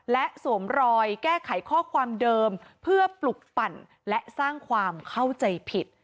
และสวมรอยแก้ไขข้อความเดิมเพื่อปลุกปั่นและสร้างความเข้าใจผิด